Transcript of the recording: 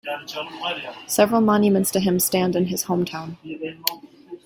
Several monuments to him stand in his hometown.